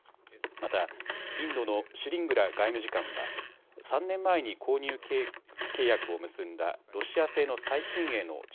また、インドのシュリングラ外務次官は３年前に購入契約を結んだロシア製の最新鋭の地